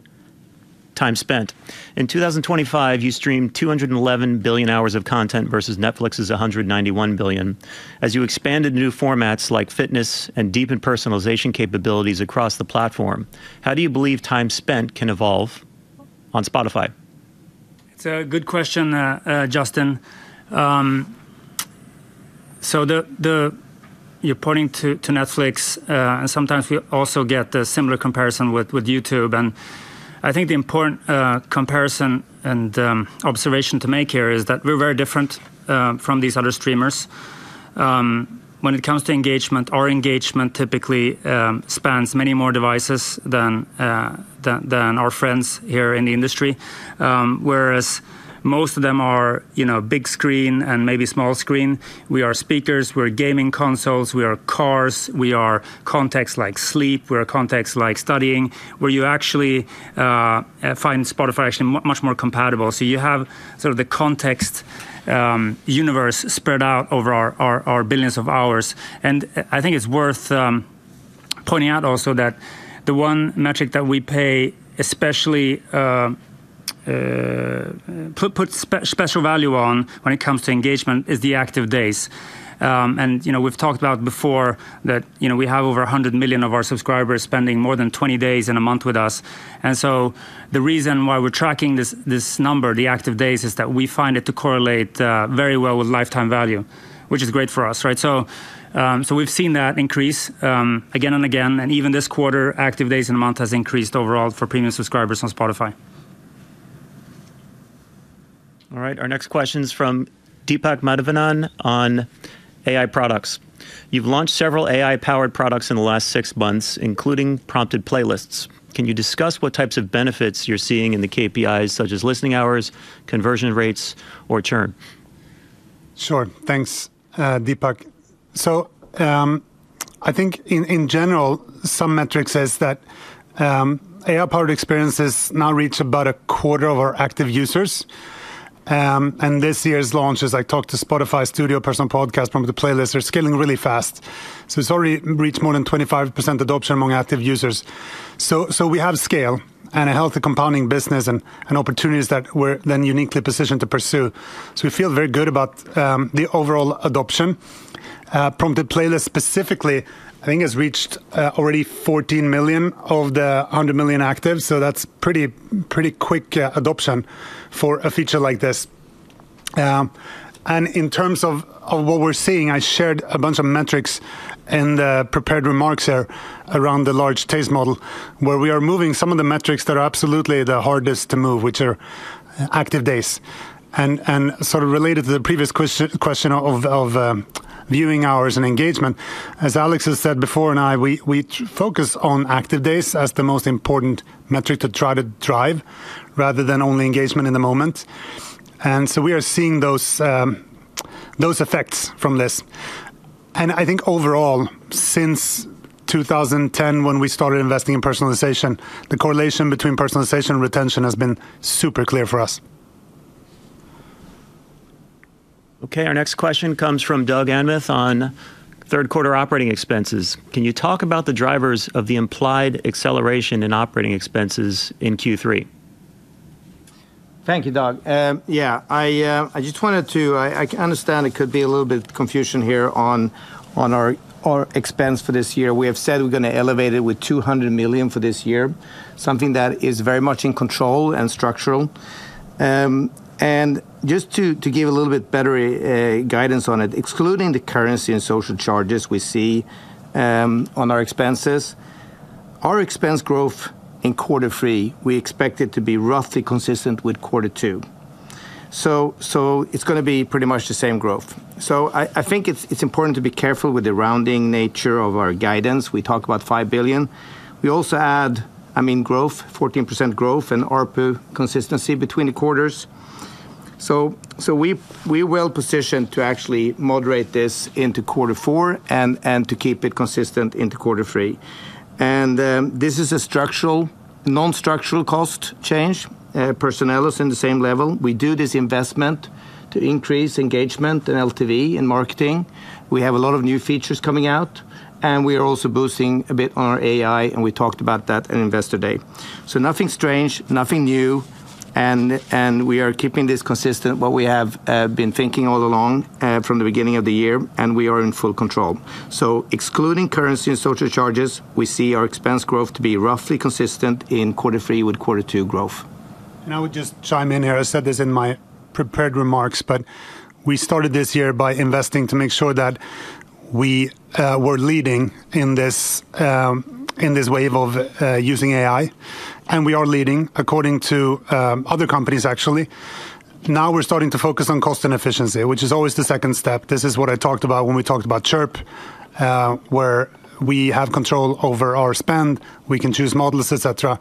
time spent. In 2025, you streamed 211 billion hours of content versus Netflix's 191 billion. As you expand into new formats like fitness and deepen personalization capabilities across the platform, how do you believe time spent can evolve on Spotify? It's a good question, Justin. You're pointing to Netflix, and sometimes we also get a similar comparison with YouTube, and I think the important comparison and observation to make here is that we're very different from these other streamers. When it comes to engagement, our engagement typically spans many more devices than our friends here in the industry. Whereas most of them are big screen and maybe small screen, we are speakers, we're gaming consoles, we are cars, we are contexts like sleep. We are contexts like studying, where you actually find Spotify actually much more compatible. You have sort of the context universe spread out over our billions of hours. I think it's worth pointing out also that the one metric that we pay especially, put special value on when it comes to engagement is the active days. We've talked about before that we have over 100 million of our subscribers spending more than 20 days in a month with us. The reason why we're tracking this number, the active days, is that we find it to correlate very well with lifetime value, which is great for us, right? We've seen that increase again and again, and even this quarter, active days in a month has increased overall for Premium subscribers on Spotify. All right. Our next question's from Deepak Mathivanan on AI products. "You've launched several AI-powered products in the last six months, including Prompted Playlists. Can you discuss what types of benefits you're seeing in the KPIs, such as listening hours, conversion rates, or churn?" Sure. Thanks, Deepak. I think in general, some metrics says that AI-powered experiences now reach about a quarter of our active users. This year's launches, like Talk to Spotify, Studio Personal Podcast, Prompted Playlists, are scaling really fast. It's already reached more than 25% adoption among active users. We have scale and a healthy compounding business and opportunities that we're then uniquely positioned to pursue. We feel very good about the overall adoption. Prompted Playlist specifically, I think has reached already 14 million of the 100 million actives, that's pretty quick adoption for a feature like this. In terms of what we're seeing, I shared a bunch of metrics in the prepared remarks here around the large taste model, where we are moving some of the metrics that are absolutely the hardest to move, which are active days. Sort of related to the previous question of viewing hours and engagement, as Alex has said before, we focus on active days as the most important metric to try to drive rather than only engagement in the moment. We are seeing those effects from this. I think overall, since 2010 when we started investing in personalization, the correlation between personalization and retention has been super clear for us. Okay. Our next question comes from Doug Anmuth on third quarter operating expenses. "Can you talk about the drivers of the implied acceleration in operating expenses in Q3?" Thank you, Doug. I understand it could be a little bit confusion here on our expense for this year. We have said we're going to elevate it with 200 million for this year, something that is very much in control and structural. Just to give a little bit better guidance on it, excluding the currency and social charges we see on our expenses, our expense growth in quarter three, we expect it to be roughly consistent with quarter two. It's going to be pretty much the same growth. I think it's important to be careful with the rounding nature of our guidance. We talk about 5 billion. We also add growth, 14% growth and ARPU consistency between the quarters. We're well-positioned to actually moderate this into quarter four and to keep it consistent into quarter three. This is a non-structural cost change. Personnel is in the same level. We do this investment to increase engagement and LTV in marketing. We have a lot of new features coming out, and we are also boosting a bit on our AI, and we talked about that in Investor Day. Nothing strange, nothing new, and we are keeping this consistent, what we have been thinking all along from the beginning of the year, and we are in full control. Excluding currency and social charges, we see our expense growth to be roughly consistent in quarter three with quarter two growth. I would just chime in here. I said this in my prepared remarks, we started this year by investing to make sure that we were leading in this wave of using AI. We are leading according to other companies, actually. Now we're starting to focus on cost and efficiency, which is always the second step. This is what I talked about when we talked about Chirp, where we have control over our spend, we can choose models, et cetera.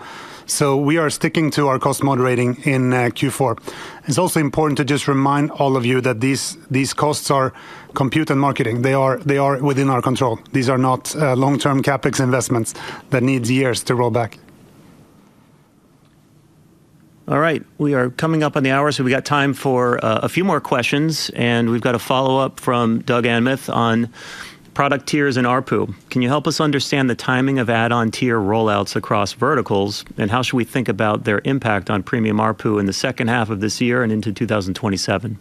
We are sticking to our cost moderating in Q4. It's also important to just remind all of you that these costs are compute and marketing. They are within our control. These are not long-term CapEx investments that need years to roll back. All right. We are coming up on the hour, we've got time for a few more questions, we've got a follow-up from Doug Anmuth on product tiers and ARPU. "Can you help us understand the timing of add-on tier rollouts across verticals, how should we think about their impact on Premium ARPU in the second half of this year and into 2027?"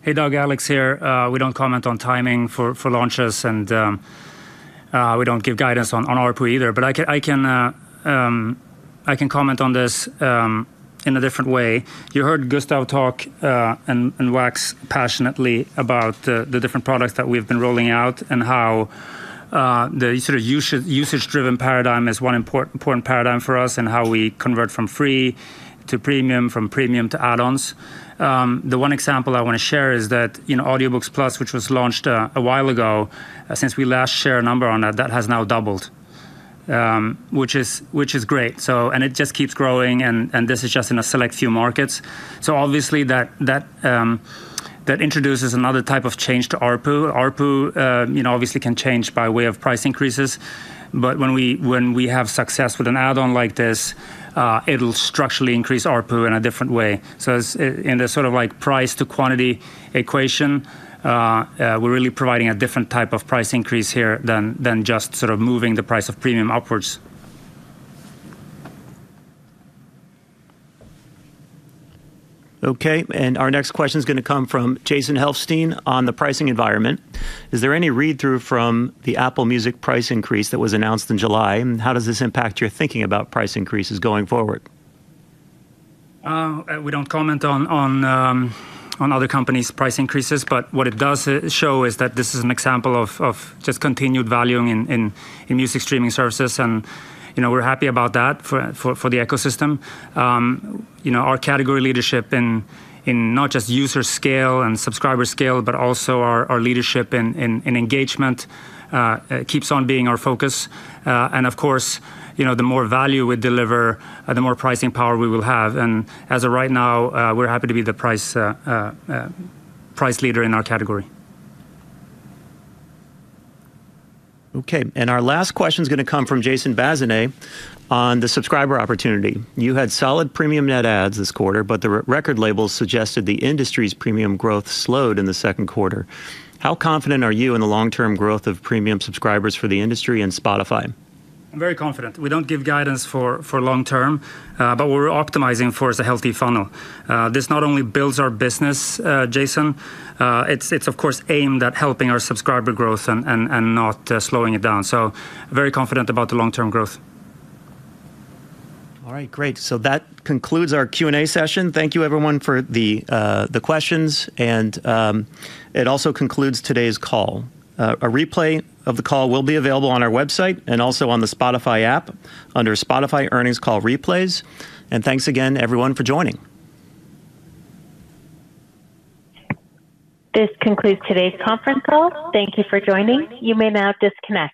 Hey, Doug. Alex here. We don't comment on timing for launches, we don't give guidance on ARPU either. I can comment on this in a different way. You heard Gustav talk, wax passionately about the different products that we've been rolling out, how the usage-driven paradigm is one important paradigm for us, how we convert from Free to Premium, from Premium to add-ons. The one example I want to share is that in Audiobooks+, which was launched a while ago, since we last shared a number on that has now doubled, which is great. It just keeps growing, this is just in a select few markets. Obviously that introduces another type of change to ARPU. ARPU obviously can change by way of price increases, when we have success with an add-on like this, it'll structurally increase ARPU in a different way. In the price to quantity equation, we're really providing a different type of price increase here than just sort of moving the price of Premium upwards. Our next question is going to come from Jason Helfstein on the pricing environment. "Is there any read-through from the Apple Music price increase that was announced in July? How does this impact your thinking about price increases going forward?" We don't comment on other companies' price increases, but what it does show is that this is an example of just continued value in music streaming services, and we're happy about that for the ecosystem. Our category leadership in not just user scale and subscriber scale, but also our leadership in engagement keeps on being our focus. Of course, the more value we deliver, the more pricing power we will have. As of right now, we're happy to be the price leader in our category. Our last question is going to come from Jason Bazinet on the subscriber opportunity. "You had solid Premium net adds this quarter, but the record labels suggested the industry's Premium growth slowed in the second quarter. How confident are you in the long-term growth of Premium subscribers for the industry and Spotify?" I'm very confident. We don't give guidance for long-term, but what we're optimizing for is a healthy funnel. This not only builds our business, Jason, it's of course aimed at helping our subscriber growth and not slowing it down. Very confident about the long-term growth. That concludes our Q&A session. Thank you everyone for the questions, and it also concludes today's call. A replay of the call will be available on our website and also on the Spotify app under Spotify Earnings Call Replays. Thanks again, everyone, for joining. This concludes today's conference call. Thank you for joining. You may now disconnect.